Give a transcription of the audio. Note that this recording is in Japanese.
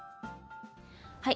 はい。